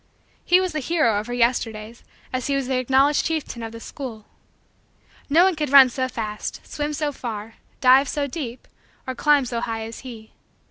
He was the hero of her Yesterdays as he was the acknowledged chieftain of the school. No one could run so fast, swim so far, dive so deep, or climb so high as he.